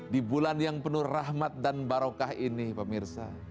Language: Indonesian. di bulan yang penuh rahmat dan barokah ini pemirsa